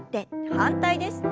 反対です。